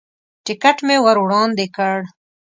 ټکټ مې ور وړاندې کړ.